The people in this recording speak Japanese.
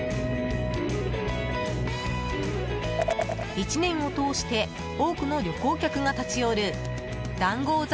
１年を通して多くの旅行客が立ち寄る談合坂